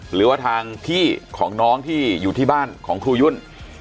หรือว่าทางพี่ของน้องที่อยู่ที่บ้านของครูยุ่น